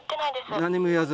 何も言わず。